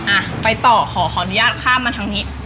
อ่ะไปต่อขอขออนุญาตข้ามมาทางนี้